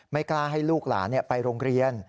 ไม่กล้าให้ลูกหลานไปโรงเรียน